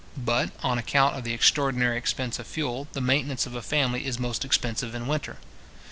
But, on account of the extraordinary expense of fuel, the maintenance of a family is most expensive in winter.